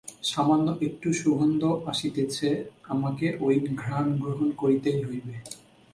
সামান্য একটু সুগন্ধ আসিতেছে, আমাকে ঐ ঘ্রাণ গ্রহণ করিতেই হইবে।